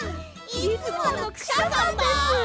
いつものクシャさんです！